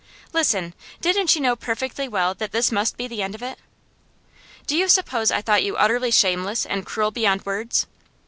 'Listen: didn't you know perfectly well that this must be the end of it?' 'Do you suppose I thought you utterly shameless and cruel beyond words?